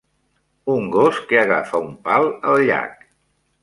Un gos que agafa un pal al llac.